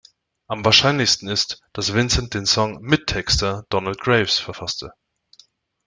Am wahrscheinlichsten ist, dass Vincent den Song mit Texter Donald Graves verfasste.